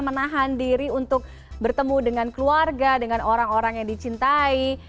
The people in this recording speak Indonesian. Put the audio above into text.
menahan diri untuk bertemu dengan keluarga dengan orang orang yang dicintai